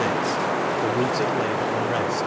The Root 0! Labour Unrest.